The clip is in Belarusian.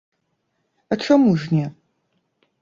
А чаму ж не!